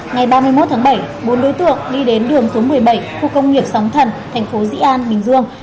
ngày ba mươi một tháng bảy bốn đối tượng đi đến đường số một mươi bảy khu công nghiệp sóng thần thành phố dĩ an bình dương